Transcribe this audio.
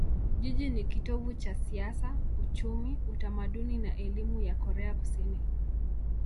Jiji ni kitovu cha siasa, uchumi, utamaduni na elimu ya Korea Kusini.